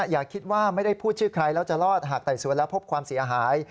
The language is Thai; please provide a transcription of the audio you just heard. อย่าคิดว่าไม่ได้พูดชื่อใครแล้วจะรอดหากไต่สวนแล้วพบความเสียหาย